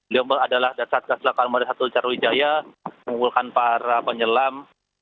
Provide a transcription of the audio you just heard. liomel adalah dasar gas lakal marisatul sriwijaya mengumpulkan para penyelam